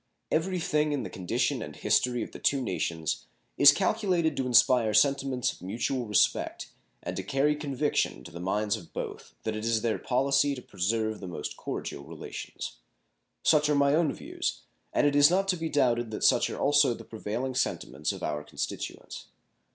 Every thing in the condition and history of the two nations is calculated to inspire sentiments of mutual respect and to carry conviction to the minds of both that it is their policy to preserve the most cordial relations. Such are my own views, and it is not to be doubted that such are also the prevailing sentiments of our constituents.